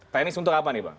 teknis untuk apa nih bang